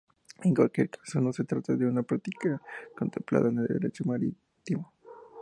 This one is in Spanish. En cualquier caso, no se trata de una práctica contemplada en el Derecho marítimo.